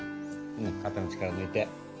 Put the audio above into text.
うん肩の力ぬいて。